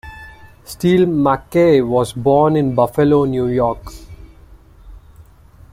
Steele MacKaye was born in Buffalo, New York.